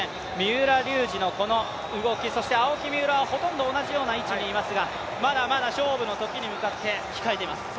三浦龍司のこの動き、そして青木、三浦はほとんど同じような位置にいますがまだまだ勝負の時に向かって控えています。